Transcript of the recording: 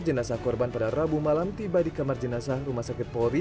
jenazah korban pada rabu malam tiba di kamar jenazah rumah sakit polri